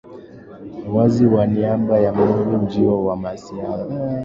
wazi kwa niaba ya Mungu ujio wa Masiya au Kristo Kumbukumbu ya